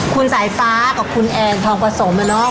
คุณสายฟ้ากับคุณแอ้งทองประสงค์